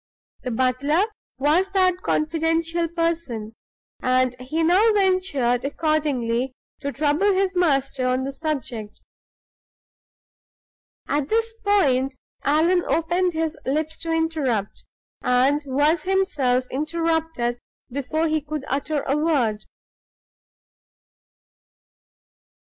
The butler was that confidential person; and he now ventured accordingly to trouble his master on the subject. At this point Allan opened his lips to interrupt, and was himself interrupted before he could utter a word.